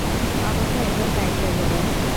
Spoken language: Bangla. অবস্থা একদম টাইট হয়ে যাবে!